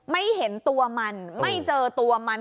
ไม่เห็นตัวมันไม่เจอตัวมัน